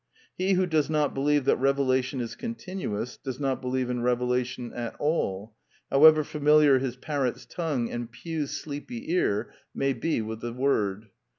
He who does not believe that revelation is continuous does not believe in revelation at all, however familiar his parrot's tongue and pewsleepy ear Needed: an Ibsen Theatre 237 may be with the word.